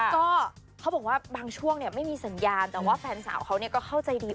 ก็เขาบอกว่าบางช่วงไม่มีสัญญาณแต่ว่าแฟนสาวเขาก็เข้าใจดี